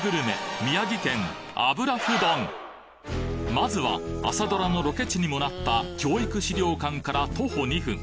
まずは朝ドラのロケ地にもなった教育資料館から徒歩２分